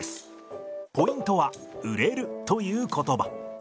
ポイントは「売れる」という言葉。